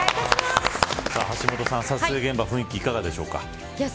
橋本さん、撮影現場の雰囲気いかがですか。